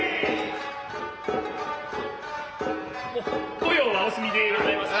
御用はお済みでございますか。